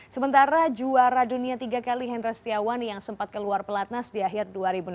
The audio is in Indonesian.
sementara juara dunia tiga kali hendra setiawan yang sempat keluar pelatnas di akhir dua ribu enam belas